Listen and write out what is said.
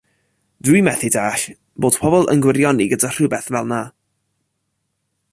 Dw i methu deall bod pobol yn gwirioni gyda rhywbeth fel 'na.